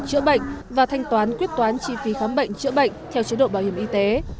chữa bệnh và thanh toán quyết toán chi phí khám bệnh chữa bệnh theo chế độ bảo hiểm y tế